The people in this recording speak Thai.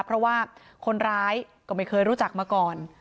เพราะว่าคนร้ายก็ไม่เคยรู้จักมาก่อน